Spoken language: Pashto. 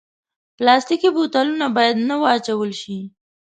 پلاستيکي بوتلونه باید نه واچول شي.